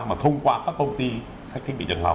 mà thông qua các công ty sách thiết bị trường học